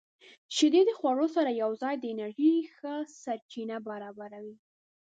• شیدې د خوړو سره یوځای د انرژۍ ښه سرچینه برابروي.